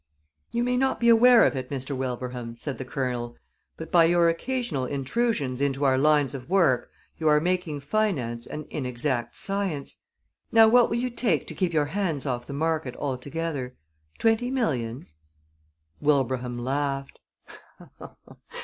"You may not be aware of it, Mr. Wilbraham," said the Colonel, "but by your occasional intrusions into our lines of work you are making finance an inexact science. Now, what will you take to keep your hands off the market altogether? Twenty millions?" Wilbraham laughed.